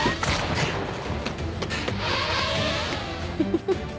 フフフ。